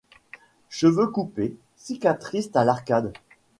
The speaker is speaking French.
Cheveux coupés, cicatrice à l'arcade.